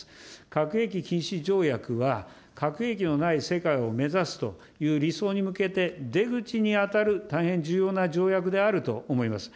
核兵器禁止条約は、核兵器のない世界を目指すという理想に向けて出口に当たる大変重要な条約であると思います。